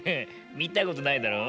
みたことないだろう。